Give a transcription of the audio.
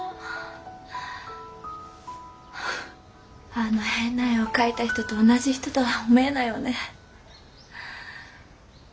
あの変な絵を描いた人と同じ人とは思えないわね。